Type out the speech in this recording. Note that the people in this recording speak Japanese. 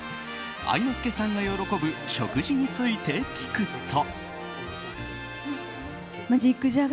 愛之助さんの喜ぶ食事について聞くと。